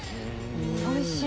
おいしい！